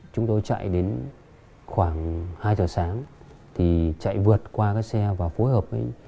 chúng tôi đang thực hiện kế hoạch kiểm tra hành chính